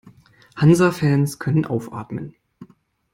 Hansa-Fans können aufatmen.